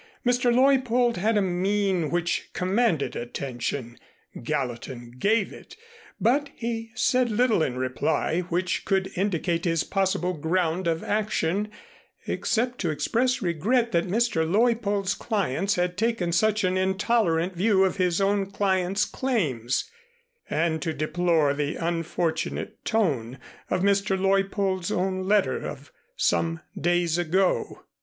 Mr. Leuppold had a mien which commanded attention. Gallatin gave it, but he said little in reply which could indicate his possible ground of action, except to express regret that Mr. Leuppold's clients had taken such an intolerant view of his own client's claims and to deplore the unfortunate tone of Mr. Leuppold's own letter of some days ago.